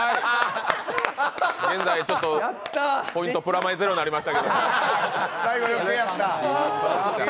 現在、ポイント、プラマイゼロになりましたけれども。